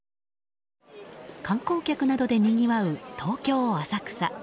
観光客などでにぎわう東京・浅草。